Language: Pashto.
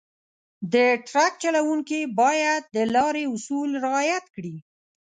د ټرک چلونکي باید د لارې اصول رعایت کړي.